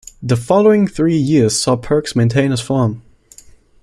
The following three years saw Perks maintain his form.